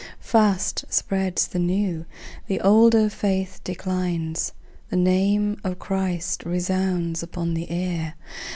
Fast spreads the new; the older faith declines. The name of Christ resounds upon the air.